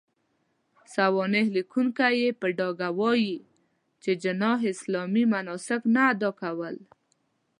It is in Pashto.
سوانح ليکونکي يې په ډاګه وايي، چې جناح اسلامي مناسک نه اداء کول.